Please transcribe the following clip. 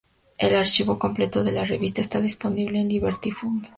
El archivo completo de la revista está disponible en Liberty Fund.